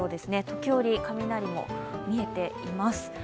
時折、雷も見えています。